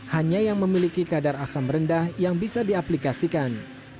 hanya yang memiliki kadar asam rendah yang bisa diaplikasikan